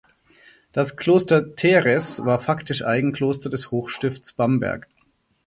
Das Kloster Theres war faktisch Eigenkloster des Hochstifts Bamberg.